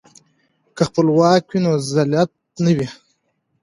که خپلواکي وي نو ذلت نه وي.